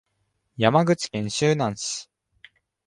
山口県周南市